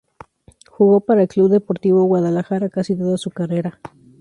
Jugó para el Club Deportivo Guadalajara casi toda su carrera.